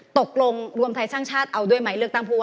ตกลงดวงไทยช่างชาติเอาด้วยไหม